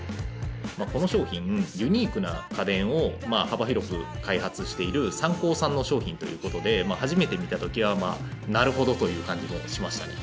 この商品ユニークな家電を幅広く開発しているサンコーさんの商品ということで初めて見た時はなるほどという感じもしましたね。